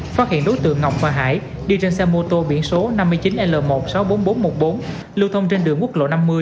phát hiện đối tượng ngọc và hải đi trên xe mô tô biển số năm mươi chín l một trăm sáu mươi bốn nghìn bốn trăm một mươi bốn lưu thông trên đường quốc lộ năm mươi